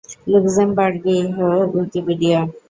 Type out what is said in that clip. লুক্সেমবার্গীয় Wikipedia